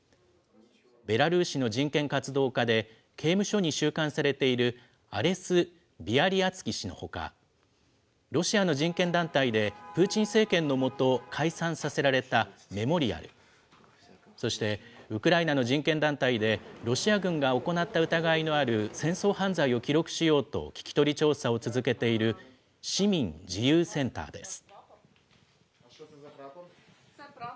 ベラルーシの人権活動家で、刑務所に収監されているアレス・ビアリアツキ氏のほか、ロシアの人権団体でプーチン政権の下解散させられたメモリアル、そして、ウクライナの人権団体でロシア軍が行った疑いのある戦争犯罪を記録しようと聞き取り調査を続けている市民自由センターです。